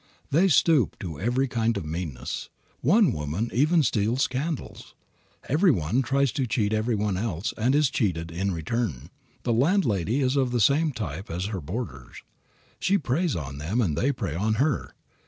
They stoop to every kind of meanness. One woman even steals candles. Every one tries to cheat every one else and is cheated in return. The landlady is of the same type as her boarders. She preys on them and they prey on her.